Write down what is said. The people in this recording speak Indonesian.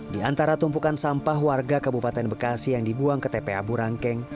di antara tumpukan sampah warga kabupaten bekasi yang dibuang ke tpa burangkeng